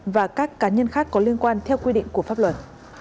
và các cá nhân khác có liên quan theo quy định của pháp luật